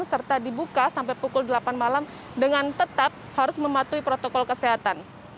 serta dibuka sampai pukul delapan malam dengan tetap harus mematuhi protokol kesehatan